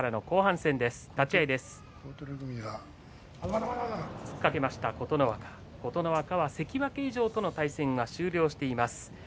立ち合い、突っかけました琴ノ若琴ノ若は関脇以上との対戦が終了しています。